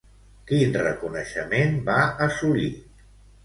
Quin reconeixement va assolir?